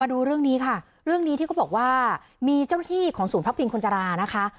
ดูเรื่องนี้ค่ะเรื่องนี้ที่เขาบอกว่ามีเจ้าหน้าที่ของศูนย์พักพิงคนจรานะคะ